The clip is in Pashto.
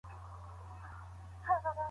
ګاونډی له کړکۍ څخه بهر ته ګوري.